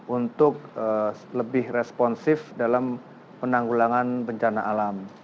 untuk lebih responsif dalam penanggulangan bencana alam